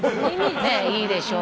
ねっいいでしょ。